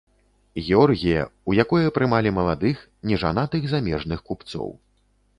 Георгія, у якое прымалі маладых, нежанатых замежных купцоў.